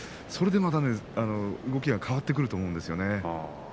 それでまた動きが変わってくると思うんですよね。